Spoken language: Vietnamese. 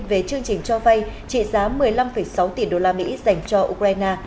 về chương trình cho vay trị giá một mươi năm sáu tỷ usd dành cho ukraine